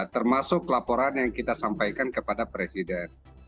termasuk laporan yang kita sampaikan kepada presiden